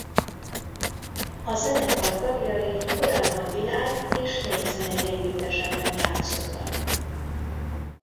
A zenekar tagjai korábban világ- és népzenei együttesekben játszottak.